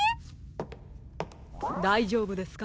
だいじょうぶですか？